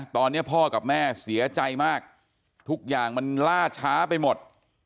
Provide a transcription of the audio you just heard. ตอนนี้พ่อกับแม่เสียใจมากทุกอย่างมันล่าช้าไปหมด